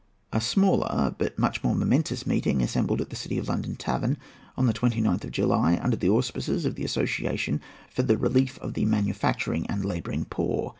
A smaller, but much more momentous meeting assembled at the City of London Tavern on the 29th of July, under the auspices of the Association for the Relief of the Manufacturing and Labouring Poor.